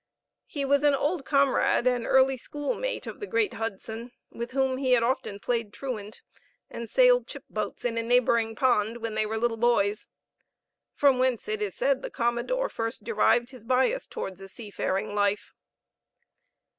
He was an old comrade and early schoolmate of the great Hudson, with whom he had often played truant and sailed chip boats in a neighboring pond, when they were little boys; from whence, it is said, the commodore first derived his bias towards a seafaring life.